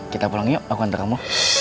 kita pulang yuk aku antar kamu